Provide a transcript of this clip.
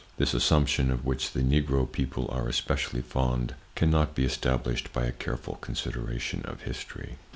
This assumption of which the Negro people are especially fond, can not be established by a careful consideration of history.